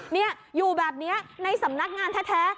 นี่อยู่แบบนี้ในสำนักงานแท้